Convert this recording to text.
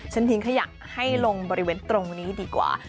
ทิ้งขยะให้ลงบริเวณตรงนี้ดีกว่า